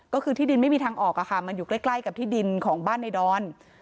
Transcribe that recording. ก็คือที่ดินไม่มีทางออกมันอยู่ใกล้กับที่ดินของบ้านในดอน